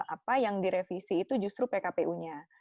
apa yang direvisi itu justru pkpu nya